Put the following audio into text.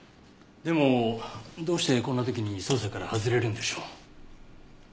でもどうしてこんな時に捜査から外れるんでしょう？